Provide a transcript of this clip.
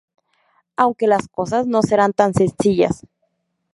Aunque las cosas no serán tan sencillas...